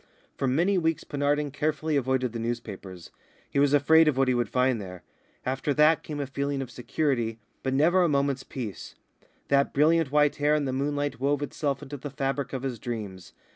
For many weeks Penarden carefully avoided the newspapers. He was afraid of what he would find there. After that came a feeling of security, but never a moment's peace. That brilliant white hair in the moonlight wove itself into the fabric of his dreams.